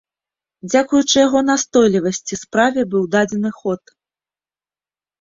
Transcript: Дзякуючы яго настойлівасці справе быў дадзены ход.